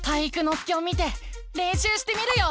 介を見てれんしゅうしてみるよ！